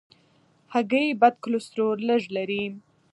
هګۍ بد کلسترول لږ لري.